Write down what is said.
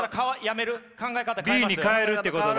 Ｂに変えるってことだ？